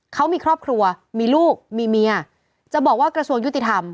เขามีครอบครัวมีลูกมีเมียจะบอกว่ากระทรวงยุติธรรม